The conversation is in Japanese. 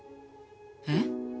えっ？